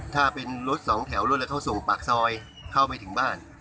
ถ้าเป็นรถ๒แถวถ้ารถเราก็ส่งปากซอยเข้าไปถึงบ้าน